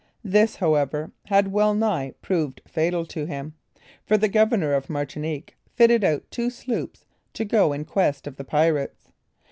This, however, had well nigh proved fatal to him; for the Governor of Martinique fitted out two sloops to go in quest of the pirates.